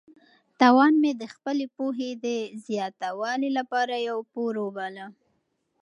تاوان مې د خپلې پوهې د زیاتوالي لپاره یو پور وباله.